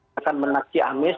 tahan menak ciamis